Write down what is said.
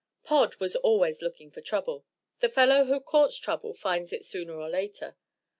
_ Pod was always looking for trouble. The fellow who courts trouble finds it sooner or later.